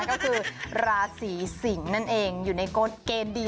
ก็คือราศีสิงศ์นั่นเองอยู่ในกฎเกณฑ์ดี